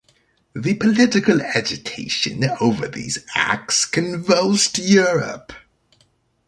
The political agitation over these acts convulsed Europe.